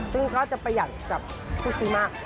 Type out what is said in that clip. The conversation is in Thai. ซึ่งก็จะประหยัดกับฟูซิมา